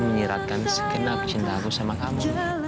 menyeratkan sekenap cinta aku sama kamu